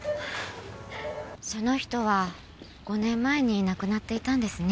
その人は５年前に亡くなっていたんですね。